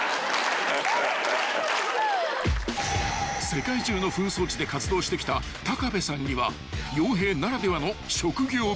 ［世界中の紛争地で活動してきた高部さんには傭兵ならではの職業病が］